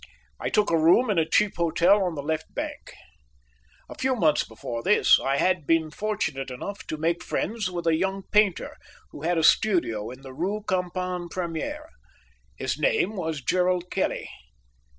I took a room in a cheap hotel on the Left Bank. A few months before this, I had been fortunate enough to make friends with a young painter who had a studio in the Rue Campagne Première. His name was Gerald Kelly.